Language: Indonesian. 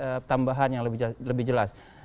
tapi memerlukan tambahan yang lebih jelas